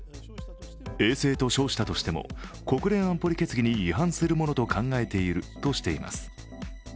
衛星と称したとしても、国連安保決議に違反するものと考えているとしています。